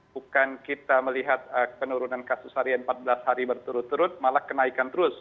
bukan kita melihat penurunan kasus harian empat belas hari berturut turut malah kenaikan terus